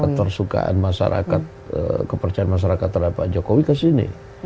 ketersukaan masyarakat kepercayaan masyarakat terhadap pak jokowi kesini